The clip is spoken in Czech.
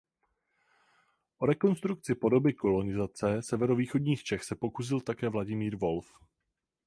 O rekonstrukci podoby kolonizace severovýchodních Čech se pokusil také Vladimír Wolf.